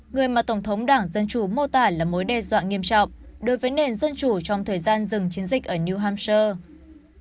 người mà tổng thống đảng dân chủ mô tả là mối đe dọa nghiêm trọng đối với nền dân chủ trong thời gian dừng chiến dịch ở new hamcher